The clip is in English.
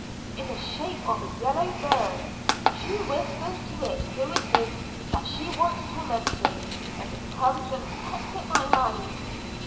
"In the shape of a yellow bird. She whispers to it who it is that she wants tormented, and it comes and pecks at my eyes."